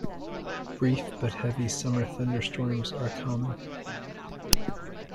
Brief, but heavy summer thunderstorms are common.